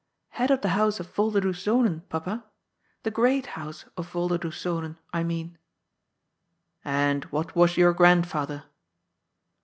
" Head of the house of ^Yolderdoes Zonen,' Papa* The great house of * Yolderdoes Zonen,* I mean." " And what was your grandfather